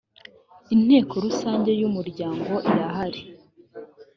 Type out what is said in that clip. inteko rusange y ‘umuryango irahari.